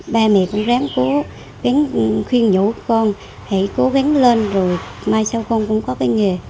ba mẹ cũng ráng cố khuyên dụ con hãy cố gắng lên rồi mai sau con cũng có cái nghề